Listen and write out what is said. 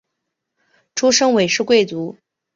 出身韦氏贵族。